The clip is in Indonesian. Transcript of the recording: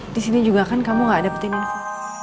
disini juga kan kamu gak dapetin info